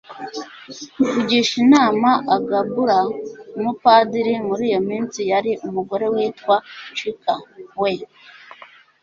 kugisha inama agbala. umupadiri muri iyo minsi yari umugore witwa chika. we